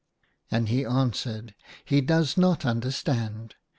And he answered, " He does not understand.